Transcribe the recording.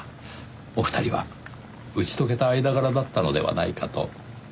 お二人は打ち解けた間柄だったのではないかと。